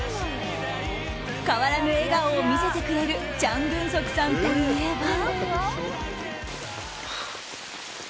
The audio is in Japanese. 変わらぬ笑顔を見せてくれるチャン・グンソクさんといえば。